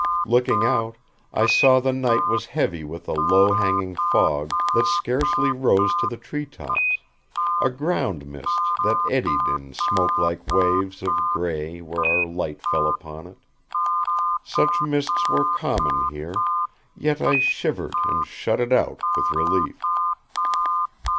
Looking out, I saw the night was heavy with a low hanging fog that scarcely rose to the tree tops; a ground mist that eddied in smoke like waves of gray where our light fell upon it. Such mists were common here, yet I shivered and shut it out with relief.